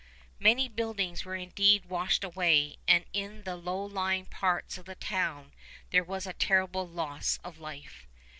Many buildings were indeed washed away, and in the low lying parts of the town there was a terrible loss of life.